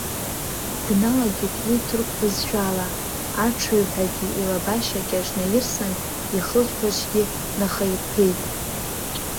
Дналагеит уи ҭырқә бызшәала, аҽыҩҳәагьы илабашьа кьаҿ наирсын, ихылԥарчгьы нахаирԥеит.